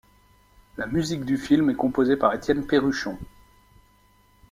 La musique du film est composée par Étienne Perruchon.